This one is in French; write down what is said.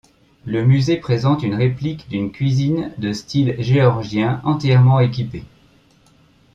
Le musée présente une réplique d'une cuisine de style géorgien entièrement équipée.